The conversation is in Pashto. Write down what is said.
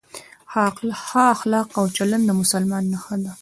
ښه اخلاق او چلند د مسلمان نښه ده.